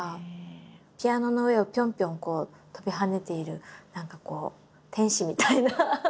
ピアノの上をぴょんぴょん跳びはねている何か天使みたいな。